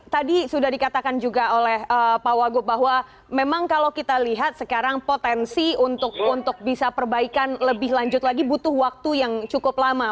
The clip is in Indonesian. tadi sudah dikatakan juga oleh pak wagub bahwa memang kalau kita lihat sekarang potensi untuk bisa perbaikan lebih lanjut lagi butuh waktu yang cukup lama